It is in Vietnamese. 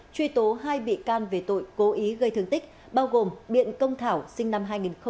truy tố hai bị can về tội cố ý gây thương tích bao gồm biện công thảo sinh năm hai nghìn